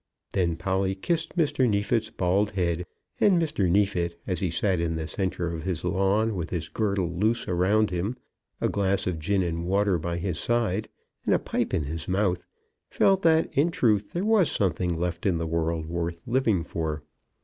Then Polly kissed Mr. Neefit's bald head; and Mr. Neefit, as he sat in the centre of his lawn, with his girdle loose around him, a glass of gin and water by his side, and a pipe in his mouth, felt that in truth there was something left in the world worth living for.